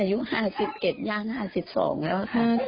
อายุ๕๑ย่าน๕๒แล้วค่ะ